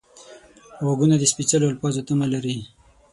غوږونه د سپېڅلو الفاظو تمه لري